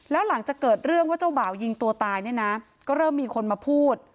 แล้วหลังจากเกิดเรื่องว่าเจ้าบ่าวยิงตัวตายเนี่ยนะก็เริ่มมีคนมาพูด